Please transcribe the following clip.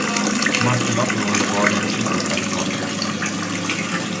Mastelotto was born in Chico, California.